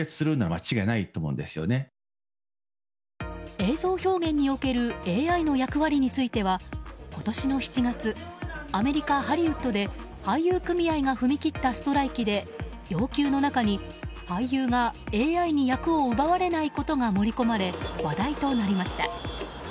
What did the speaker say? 映像表現におけるＡＩの役割については今年の７月アメリカ・ハリウッドで俳優組合が踏み切ったストライキで要求の中に俳優がＡＩに役を奪われないことが盛り込まれ話題となりました。